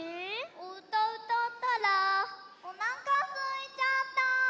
おうたうたったらおなかすいちゃった。